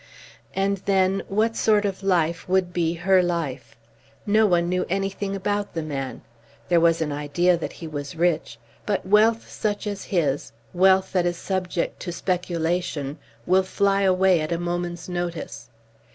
And then, what sort of life would be her life? No one knew anything about the man. There was an idea that he was rich, but wealth such as his, wealth that is subject to speculation, will fly away at a moment's notice.